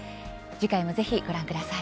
次回もぜひご覧ください。